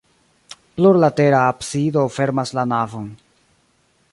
Plurlatera absido fermas la navon.